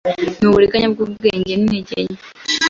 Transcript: nuburiganya bwubwenge bwintege nke